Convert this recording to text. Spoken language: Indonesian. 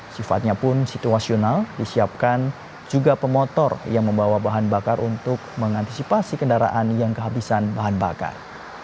sifatnya pun situasional disiapkan juga pemotor yang membawa bahan bakar untuk mengantisipasi kendaraan yang kehabisan bahan bakar